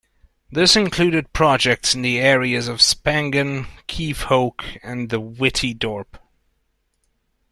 This included projects in the areas of Spangen, Kiefhoek and the Witte Dorp.